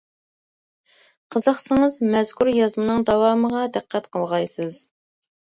قىزىقسىڭىز مەزكۇر يازمىنىڭ داۋامىغا دىققەت قىلغايسىز.